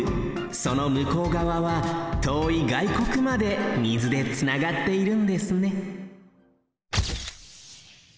その向こうがわはとおいがいこくまで水でつながっているんですね